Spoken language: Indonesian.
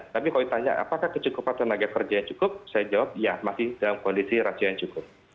tapi kalau ditanya apakah kecukupan tenaga kerja yang cukup saya jawab ya masih dalam kondisi rasio yang cukup